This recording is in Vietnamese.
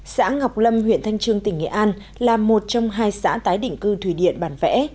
xã ngọc lâm huyện thanh trương tỉnh nghệ an là một trong hai xã tái định cư thủy điện bản vẽ